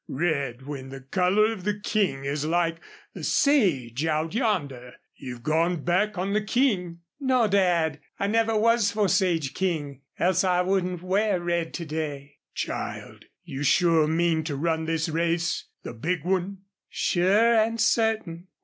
Red, when the color of the King is like the sage out yonder. You've gone back on the King." "No, Dad, I never was for Sage King, else I wouldn't wear red to day." "Child, you sure mean to run in this race the big one?" "Sure and certain."